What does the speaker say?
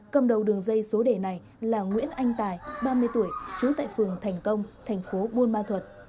cầm đầu đường dây số đề này là nguyễn anh tài ba mươi tuổi trú tại phường thành công thành phố buôn ma thuật